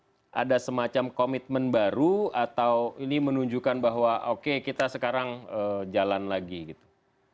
apakah ada semacam komitmen baru atau ini menunjukkan bahwa oke kita sekarang jalan lagi gitu